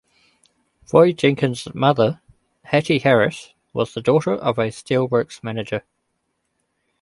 Roy Jenkins' mother, Hattie Harris, was the daughter of a steelworks manager.